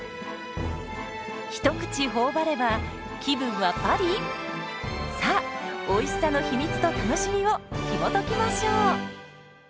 一口頬張れば気分はパリ⁉さあおいしさの秘密と楽しみをひもときましょう。